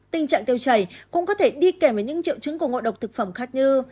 tình trạng tiêu chảy cũng có thể đi kèm với những triệu chứng của ngộ độc thực phẩm khác như